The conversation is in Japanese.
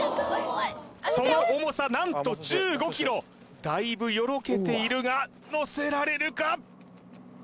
その重さ何と１５ｋｇだいぶよろけているがのせられるか？